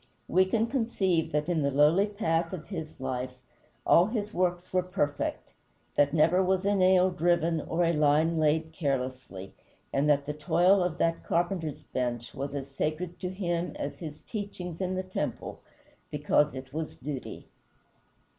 We can conceive that in the lowly path of his life all his works were perfect, that never was a nail driven or a line laid carelessly, and that the toil of that carpenter's bench was as sacred to him as his teachings in the temple, because it was duty.